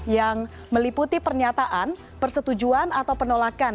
yang meliputi pernyataan persetujuan atau penolakan